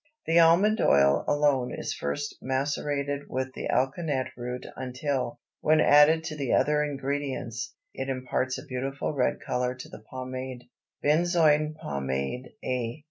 The almond oil alone is first macerated with the alkanet root until, when added to the other ingredients, it imparts a beautiful red color to the pomade. BENZOIN POMADE A.